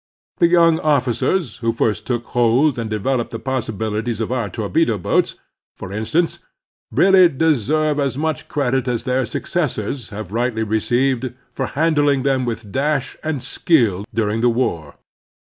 The young officers who first took hold and developed the possibilities of our torpedo boats, for instance, really deserve as much credit as their successors have rightly received for handling them with dash and skill during the war.